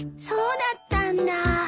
そうだったんだ。